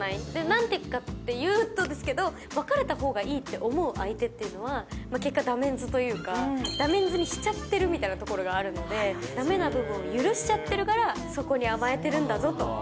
なんて言うかということですけど、別れたほうがいいと思う相手っていうのは、結果、ダメンズというか、ダメンズにしちゃってるみたいなところがあるので、だめな部分を許しちゃってるから、そこに甘えてるんだぞと。